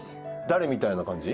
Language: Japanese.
誰みたいな感じ？